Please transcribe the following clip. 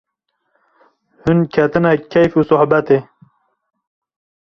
Hûn ketine keyf û sohbetê